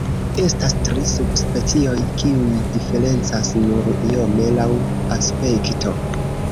Estas tri subspecioj, kiuj diferencas nur iome laŭ aspekto.